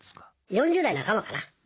４０代半ばかな。